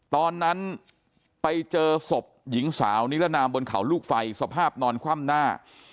ตอนนั้นไปเจอศพหญิงสาวนิรนามบนเขาลูกไฟสภาพนอนคว่ำหน้า